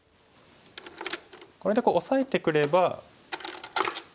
これでオサえてくれば。